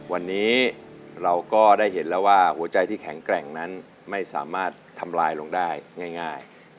วันนี้เราก็ได้เห็นแล้วว่าหัวใจที่แข็งแกร่งนั้นไม่สามารถทำลายลงได้ง่าย